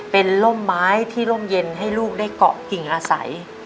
เป็นร่มไม้ที่ร่มเย็นให้ลูกได้เกาะกิ่งอาศัย